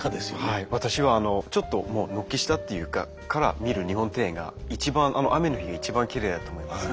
はい私はあのちょっともう軒下っていうかから見る日本庭園が一番雨の日が一番きれいだと思います。